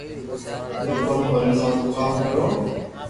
دوڪون کولين آپرو ڪوم ڪرو